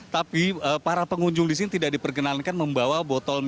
tapi para pengunjung di sini tidak diperkenankan membawa botol